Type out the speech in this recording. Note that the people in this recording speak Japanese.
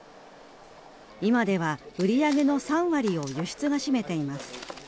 今では売り上げの３割を輸出が占めています。